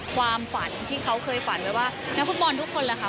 ความฝันที่เขาเคยฝันไว้ว่านักฟุตบอลทุกคนแหละค่ะ